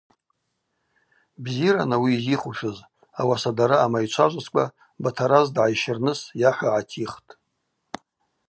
Бзиран ауи йзихушыз, ауаса дара амайчважваскӏва Батараз дгӏайщырныс йахӏва гӏатихтӏ.